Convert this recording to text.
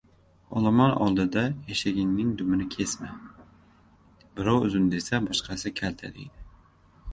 • Olomon oldida eshaginingning dumini kesma, birov uzun desa, boshqasi kalta deydi.